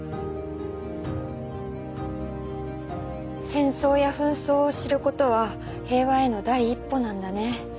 戦争や紛争を知ることは平和への第一歩なんだね。